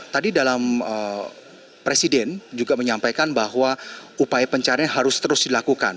tadi dalam presiden juga menyampaikan bahwa upaya pencarian harus terus dilakukan